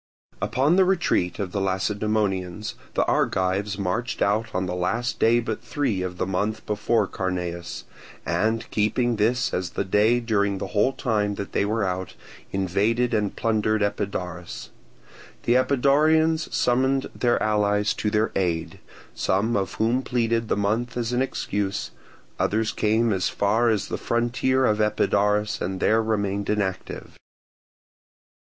Upon the retreat of the Lacedaemonians the Argives marched out on the last day but three of the month before Carneus, and keeping this as the day during the whole time that they were out, invaded and plundered Epidaurus. The Epidaurians summoned their allies to their aid, some of whom pleaded the month as an excuse; others came as far as the frontier of Epidaurus and there remained inactive.